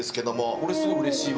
これすごいうれしいわ。